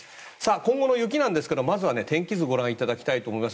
今後の雪ですが、まずは天気図をご覧いただきます。